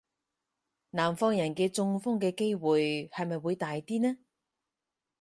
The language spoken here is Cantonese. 南方嘅人中風嘅機會係咪會大啲呢?